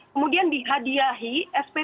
kemudian dihadiahi sp tiga